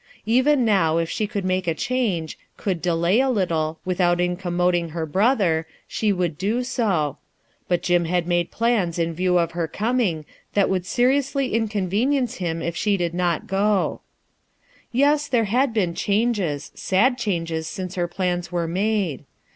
Even now, if she could make a change, could delay a little, without incommoding her brother, she would do so; but Jim had made plans in view of her coming that would seriously incon venience him if she did not go Yes, there had been changes, sad changes since her plans were made.